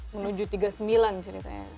menuju tiga puluh sembilan ceritanya